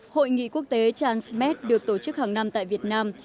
hội nghị quốc tế transmed được tổ chức hàng năm tại việt nam